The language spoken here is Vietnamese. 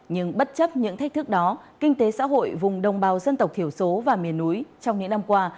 nhưng bất chấp những thách thức đó kinh tế xã hội vùng đồng bào dân tộc thiểu số và miền núi trong những năm qua